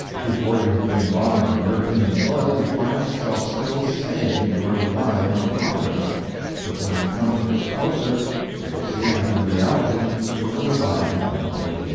Before you have been long on European soil, you find yourself still SAYING you are relying on Providence, but when you come to look closer you will see that in reality you are relying on the portier.